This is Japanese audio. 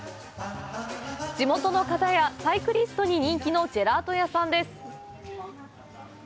地元の方やサイクリストに人気のジェラート屋さんです。